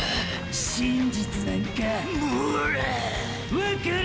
真実なんかモラ！